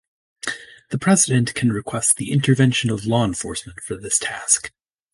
The president can request the intervention of law enforcement for this task.